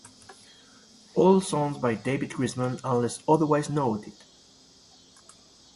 All songs by David Grisman unless otherwise noted.